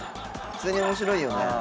普通に面白いよね。